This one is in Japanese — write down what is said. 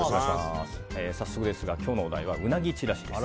早速ですが今日のお題はウナギちらしです。